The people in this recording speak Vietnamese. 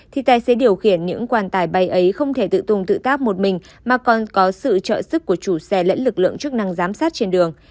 thì tài xế điều khiển những quan tài bay ấy không thể tự tung tự tác một mình mà còn có sự trợ sức của chủ xe lẫn lực lượng chức năng giám sát trên đường